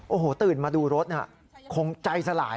โอ้โหตื่นมาดูรถคงใจสลาย